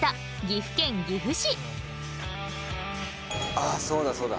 あっそうだそうだ。